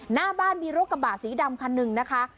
หน้าบ้านมีรถกระบะสีดำคันหนึ่งนะคะ